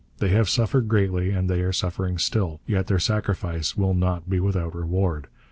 They have suffered greatly, they are suffering still, yet their sacrifice will not be without reward....